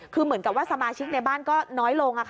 คือเหมือนกับว่าสมาชิกในบ้านก็น้อยลง